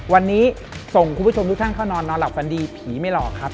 วันนี้ส่งคุณผู้ชมทุกท่านเข้านอนนอนหลับฝันดีผีไม่หลอกครับ